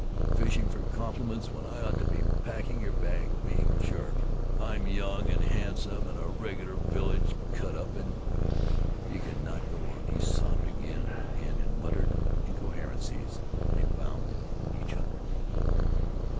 Fishing for compliments when I ought to be packing your bag! Me, sure, I'm young and handsome and a regular village cut up and " He could not go on. He sobbed again; and in muttered incoherencies they found each other.